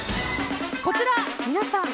こちら、皆さん